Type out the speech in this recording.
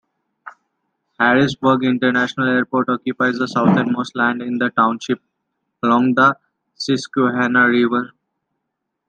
Harrisburg International Airport occupies the southernmost land in the township, along the Susquehanna River.